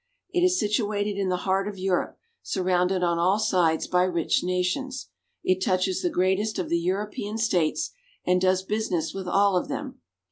It is situated in the heart of Europe, surrounded on all sides by rich nations. It touches the greatest of the European states, and does business with all of them.